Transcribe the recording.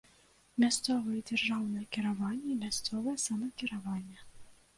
Мясцовы дзяржаўнае кіраванне і мясцовае самакіраванне.